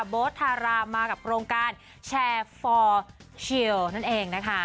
โบ๊ทธารามากับโครงการแชร์ฟอร์เชียลนั่นเองนะคะ